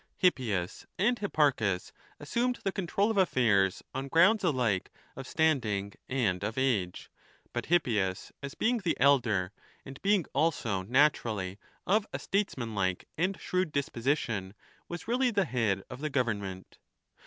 Hippias and Hipparchus assumed the control of affairs on grounds alike of standing and of age ; but Hippias, as being the elder and being also naturally of a statesmanlike and shrewd disposition, was really the head of the government.